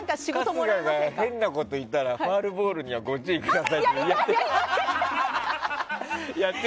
春日が変なこと言ったらファウルボールにはご注意くださいってやって。